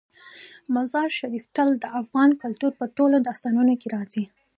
مزارشریف تل د افغان کلتور په ټولو داستانونو کې راځي.